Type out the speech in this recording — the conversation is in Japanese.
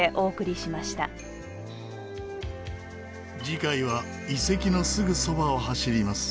次回は遺跡のすぐそばを走ります。